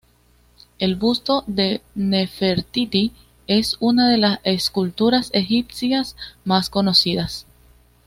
El busto de Nefertiti es una de las esculturas egipcias más conocidas.